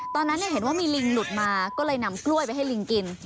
ตอนนั้นเห็นว่ามีลิงหลุดมาก็เลยนำกล้วยไปให้ลิงกิน